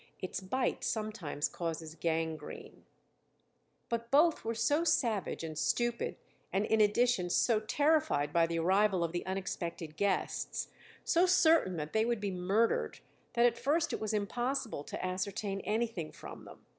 Its bite sometimes causes gangrene.] But both were so savage and stupid and in addition so terrified by the arrival of the unexpected guests, so certain that they would be murdered, that at first it was impossible to ascertain anything from them.